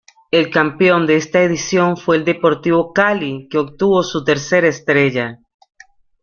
El campeón de esta edición fue el Deportivo Cali que obtuvo su tercera estrella.